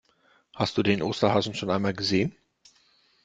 Hast du den Osterhasen schon einmal gesehen?